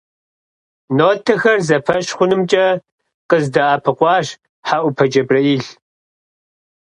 Нотэхэр зэпэщ хъунымкӀэ къыздэӀэпыкъуащ ХьэӀупэ ДжэбрэӀил.